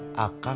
aku mau datang